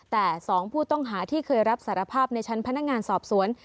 แต่๒ผู้ต้องหาที่เคยรับสารภาพในชั้นพนักงานสอบสวน